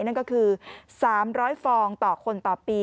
นั่นก็คือ๓๐๐ฟองต่อคนต่อปี